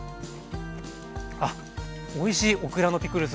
あっおいしいオクラのピクルス。